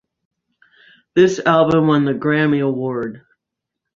This album won the Grammy Award.